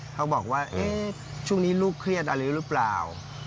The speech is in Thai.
เขาบอกว่าช่วงนี้ลูกเครียดอะไรหรือเปล่า